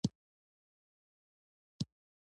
غوږونه د نصیحت معنی درک کوي